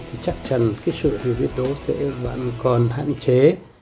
thì chắc chắn cái sự hiểu việc đó sẽ vẫn còn hạn chế